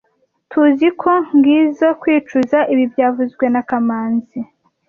Tuziko ngizoe kwicuza ibi byavuzwe na kamanzi